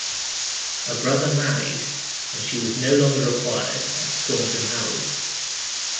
Her brother married and she was no longer required at Staunton Harold.